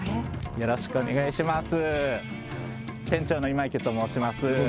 よろしくお願いします